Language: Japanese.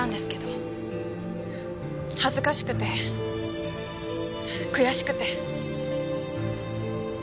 恥ずかしくて悔しくて。